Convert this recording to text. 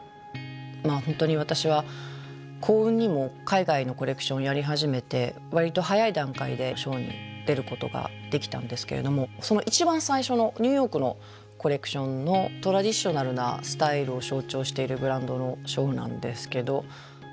本当に私は幸運にも海外のコレクションやり始めて割と早い段階でショーに出ることができたんですけれどもその一番最初のニューヨークのコレクションのトラディショナルなスタイルを象徴しているブランドのショーなんですけど。